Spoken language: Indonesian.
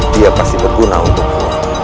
dia pasti berguna untukmu